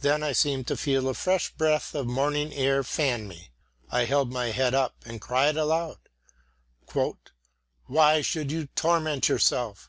Then I seemed to feel a fresh breath of morning air fan me; I held my head up and cried aloud: "Why should you torment yourself?